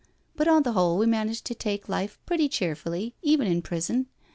But on the whole we manage to take life pretty cheerfully, even in prison.